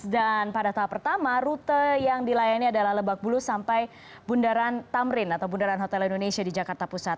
dan pada tahap pertama rute yang dilayani adalah lebakbulu sampai bundaran tamrin atau bundaran hotel indonesia di jakarta pusat